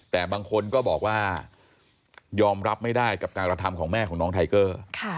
แต่บางคนก็บอกว่ายอมรับไม่ได้กับการกระทำของแม่ของน้องไทเกอร์